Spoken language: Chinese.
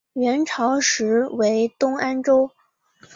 元朝时为东安州。